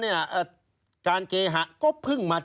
ชีวิตกระมวลวิสิทธิ์สุภาณฑ์